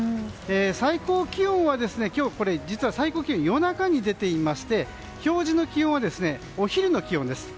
最高気温は今日、実は夜中に出ていまして表示の気温はお昼の気温です。